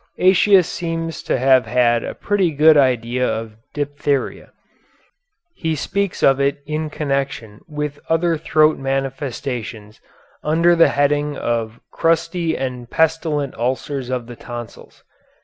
Aëtius seems to have had a pretty good idea of diphtheria. He speaks of it in connection with other throat manifestations under the heading of "crusty and pestilent ulcers of the tonsils."